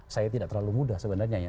saya tidak terlalu mudah sebenarnya ya